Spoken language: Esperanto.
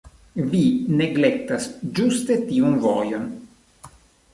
Vi neglektas ĝuste tiun vojon.